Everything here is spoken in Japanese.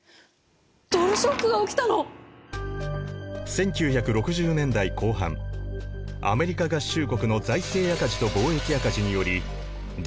１９６０年代後半アメリカ合衆国の財政赤字と貿易赤字によりドルの信用が低下。